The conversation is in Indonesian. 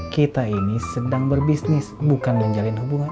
kita ini sedang berbisnis bukan menjalin hubungan